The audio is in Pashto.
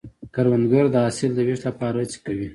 کروندګر د حاصل د ویش لپاره هڅې کوي